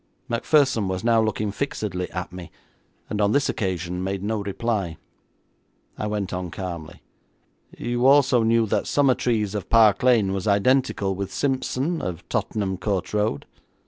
Macpherson was now looking fixedly at me, and on this occasion made no reply. I went on calmly: 'You also knew that Summertrees, of Park Lane, was identical with Simpson, of Tottenham Court Road?'